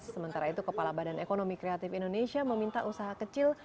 sementara itu kepala badan ekonomi kreatif indonesia meminta usaha kecil